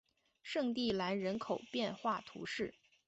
圣蒂兰人口变化图示